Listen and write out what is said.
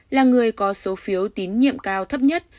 là người có số phiếu tín nhiệm cao thấp nhất